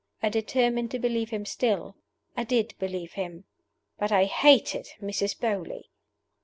I determined to believe him still. I did believe him. But I hated Mrs. Beauly!